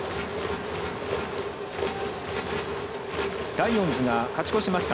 ライオンズが勝ち越しました。